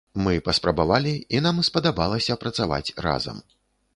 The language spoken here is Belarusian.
Мы паспрабавалі, і нам спадабалася працаваць разам.